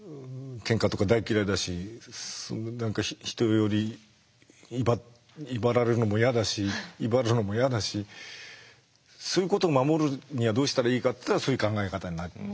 けんかとか大嫌いだし何か人より威張られるのも嫌だし威張るのも嫌だしそういうことを守るにはどうしたらいいかっつったらそういう考え方になったような。